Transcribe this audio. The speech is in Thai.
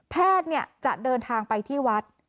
แพทย์จะเดินทางไปที่วัด